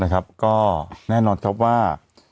ก็แน่นอนครับว่า